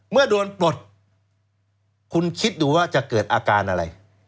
เมื่อโดนปลดคุณคิดดูว่าจะเกิดอาการอะไร